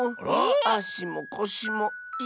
あしもこしもいたいし。